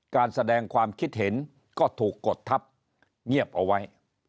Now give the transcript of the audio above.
การแสดงความคิดเห็นก็ถูกกดทับเงียบเอาไว้